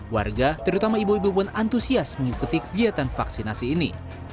warga terutama ibu ibu pun antusias mengikuti kegiatan vaksinasi ini